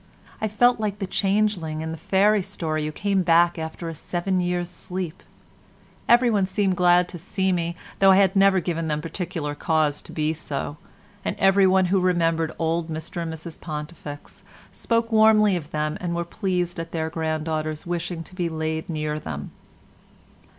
I felt like the changeling in the fairy story who came back after a seven years' sleep. Everyone seemed glad to see me, though I had never given them particular cause to be so, and everyone who remembered old Mr and Mrs Pontifex spoke warmly of them and were pleased at their granddaughter's wishing to be laid near them.